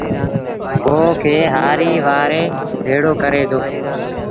بوه کي هآريٚ وآري ڀيڙو ڪري دو